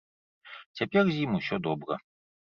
Цяпер з ім усё добра.